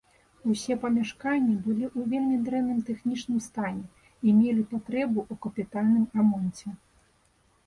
Усе памяшканні былі ў вельмі дрэнным тэхнічным стане і мелі патрэбу ў капітальным рамонце.